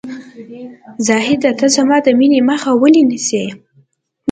زاهده ! ته زما د مینې مخه ولې نیسې ؟